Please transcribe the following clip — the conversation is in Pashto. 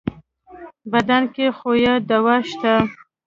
بدن کې خو يې دوا شته.